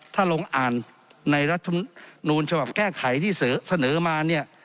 ถ้าลงอ่านในรัฐนูนฉภาพแก้ไขที่เสนอมา